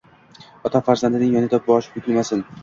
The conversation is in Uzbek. Ota farzandining yonida boshi bukilmasin.